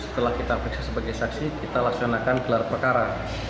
setelah kita periksa sebagai saksi kita laksanakan gelar perkara